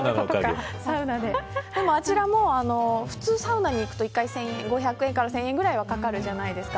あちらも普通サウナに行くと５００円から１０００円くらいかかるじゃないですか。